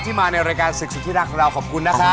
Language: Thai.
มาในรายการศึกสุดที่รักของเราขอบคุณนะครับ